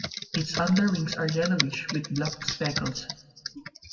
Its underwings are yellowish with black speckles.